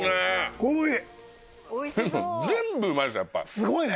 すごいね！